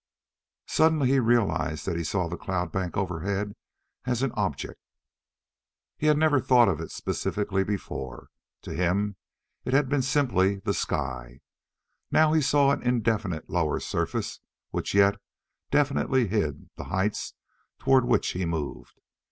Suddenly he realized that he saw the cloud bank overhead as an object. He had never thought of it specifically before. To him it had been simply the sky. Now he saw an indefinite lower surface which yet definitely hid the heights toward which he moved.